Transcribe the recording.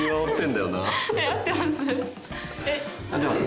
合ってます？